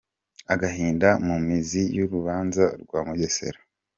Agahinda mu mizi y’urubanza rwa Mugesera